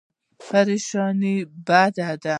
پریشاني بد دی.